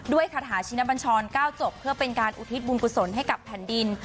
คาถาชินบัญชร๙จบเพื่อเป็นการอุทิศบุญกุศลให้กับแผ่นดิน